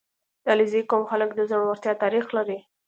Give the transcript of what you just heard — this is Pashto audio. • د علیزي قوم خلک د زړورتیا تاریخ لري.